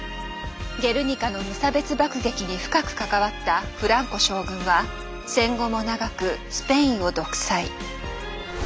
ゲルニカの無差別爆撃に深く関わったフランコ将軍は戦後も長くスペインを独裁。